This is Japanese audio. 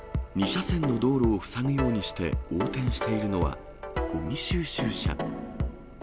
２車線の道路を塞ぐようにして横転しているのは、ごみ収集車。